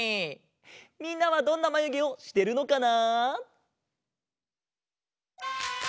みんなはどんなまゆげをしてるのかな？